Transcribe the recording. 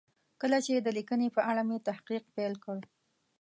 کله چې د لیکنې په اړه مې تحقیق پیل کړ.